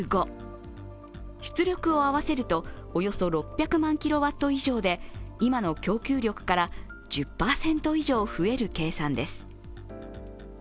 出力を泡さえると、およそ６００万ｋＷ以上で今の供給力から１０％以上増える計算です。